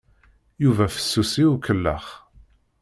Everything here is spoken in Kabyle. Yuba fessus i ukellex.